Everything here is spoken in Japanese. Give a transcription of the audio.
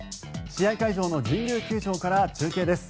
試合会場の神宮球場から中継です。